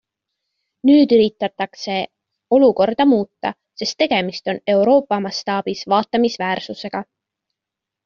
Nüüd üritatakse olukorda muuta, sest tegemist on Euroopa mastaabis vaatamisväärsusega.